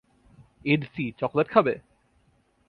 ইদতি, chocolate খাবে?